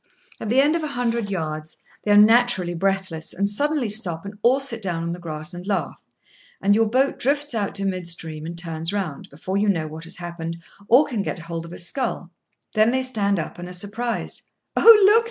At the end of a hundred yards they are naturally breathless, and suddenly stop, and all sit down on the grass and laugh, and your boat drifts out to mid stream and turns round, before you know what has happened, or can get hold of a scull. Then they stand up, and are surprised. "Oh, look!"